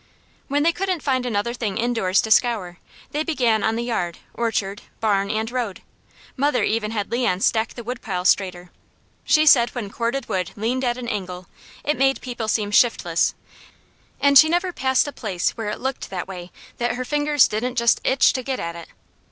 When they couldn't find another thing indoors to scour, they began on the yard, orchard, barn and road. Mother even had Leon stack the wood pile straighter. She said when corded wood leaned at an angle, it made people seem shiftless; and she never passed a place where it looked that way that her fingers didn't just itch to get at it.